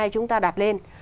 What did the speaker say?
chúng ta đặt lên